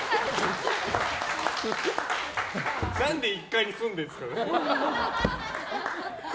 何で１階に住んでるんですか。